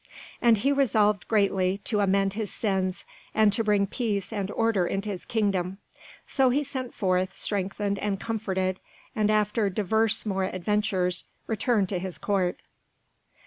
And he resolved greatly to amend his sins, and to bring peace and order into his kingdom. So he set forth, strengthened and comforted, and after divers more adventures returned to his Court.